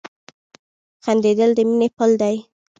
• خندېدل د مینې پل دی.